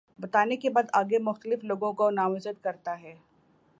بتانے کے بعد آگے مختلف لوگوں کو نامزد کرتا ہے